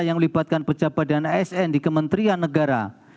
yang melibatkan pejabat dan asn di kementerian negara